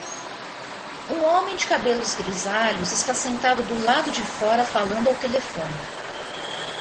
Um homem de cabelos grisalhos está sentado do lado de fora falando ao telefone.